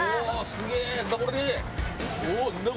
すげえ！